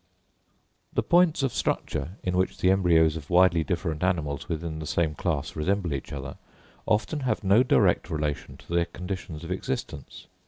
The points of structure, in which the embryos of widely different animals within the same class resemble each other, often have no direct relation to their conditions of existence.